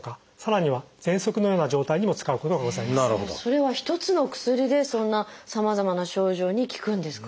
それは一つの薬でそんなさまざまな症状に効くんですか？